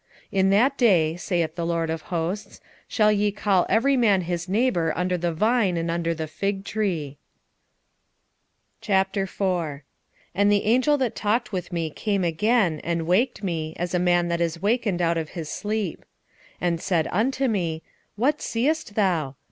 3:10 In that day, saith the LORD of hosts, shall ye call every man his neighbour under the vine and under the fig tree. 4:1 And the angel that talked with me came again, and waked me, as a man that is wakened out of his sleep. 4:2 And said unto me, What seest thou?